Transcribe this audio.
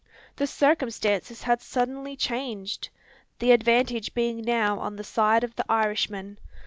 The circumstances had suddenly changed! the advantage being now on the side of the Irishman.